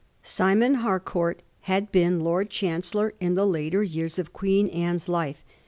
Simon Harcourt had been Lord Chancellor in the later years of Queen Anne's life.